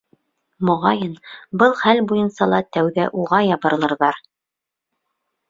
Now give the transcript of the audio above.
Моғайын, был хәл буйынса ла тәүҙә уға ябырылырҙар...